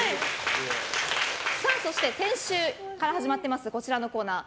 そして先週から始まっているこちらのコーナー